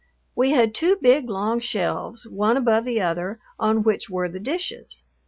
We had two big, long shelves, one above the other, on which were the dishes.